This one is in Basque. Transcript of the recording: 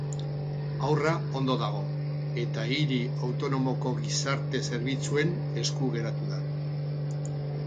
Haurra ondo dago, eta hiri autonomoko gizarte zerbitzuen esku geratu da.